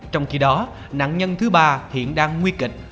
trong khi đó nạn nhân thứ ba hiện đang nguy kịch